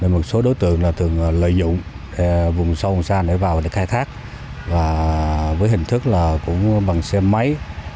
một số đối tượng thường lợi dụng vùng sông sang để vào khai thác với hình thức là cũng bằng xe máy